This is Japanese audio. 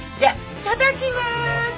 いただきます。